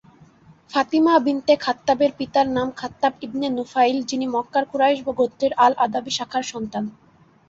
ফাতিমা বিনতে খাত্তাবের পিতার নাম খাত্তাব ইবনে নুফাইল, যিনি মক্কার কুরাইশ গোত্রের "আল-আদাবী" শাখার সন্তান।